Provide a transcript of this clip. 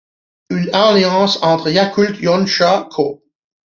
Une alliance entre Yakult Honsha Co.